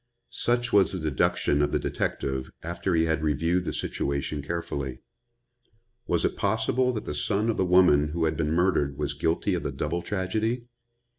Such was the deduction of the detective after he had reviewed the situation carefully. Was it possible that the son of the woman who had been murdered was guilty of the double tragedy?